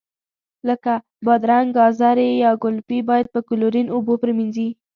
لکه بادرنګ، ګازرې یا ګلپي باید په کلورین اوبو پرېمنځي.